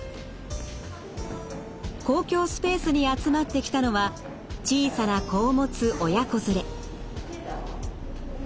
公共スペースに集まってきたのは小さな子を持つ親子連れ。